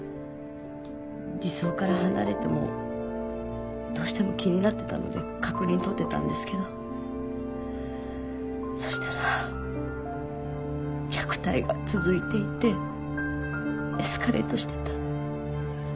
児相から離れてもどうしても気になってたので確認とってたんですけどそしたら虐待が続いていてエスカレートしてた。